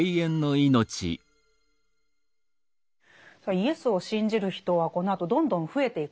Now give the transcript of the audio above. イエスを信じる人はこのあとどんどん増えていくんですね。